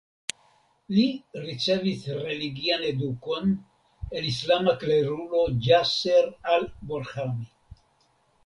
Li ricevis religian edukon el islama klerulo Ĝaser Al Borhami.